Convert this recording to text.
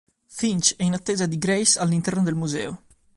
Finch è in attesa di Grace all'interno del museo.